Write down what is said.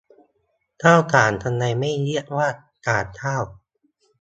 ข้าวสาร ทำไมไม่เรียกว่าสารข้าว